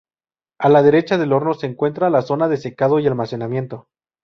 A la derecha del horno se encuentra la zona de secado y almacenamiento.